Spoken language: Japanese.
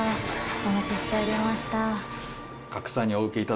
お待ちしておりました。